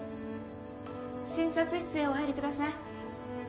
診察室へお入りください。